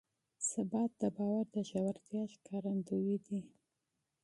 ثبات د باور د ژورتیا ښکارندوی دی.